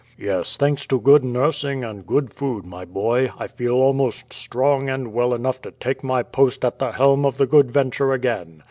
"Yes, thanks to good nursing and good food, my boy, I feel almost strong and well enough to take my post at the helm of the Good Venture again.